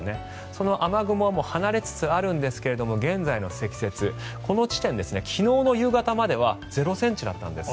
その雨雲は離れつつあるんですが現在の積雪この地点、昨日の夕方までは０ｃｍだったんです。